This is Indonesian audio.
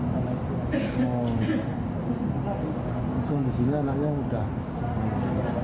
terus kondisinya anaknya sudah